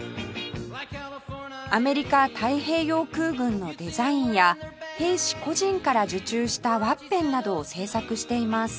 アメリカ太平洋空軍のデザインや兵士個人から受注したワッペンなどを製作しています